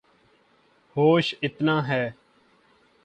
ہوش اتنا ہے